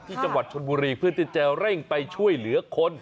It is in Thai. จังหวัดชนบุรีเพื่อที่จะเร่งไปช่วยเหลือคน